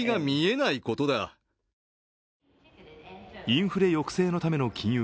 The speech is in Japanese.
インフレ抑制のための金融